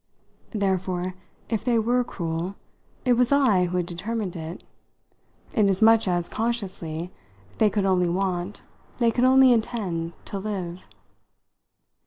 Therefore, if they were cruel, it was I who had determined it, inasmuch as, consciously, they could only want, they could only intend, to live.